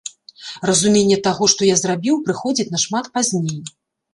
Разуменне таго, што я зрабіў, прыходзіць нашмат пазней.